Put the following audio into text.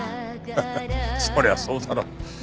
ハハッそりゃそうだろう。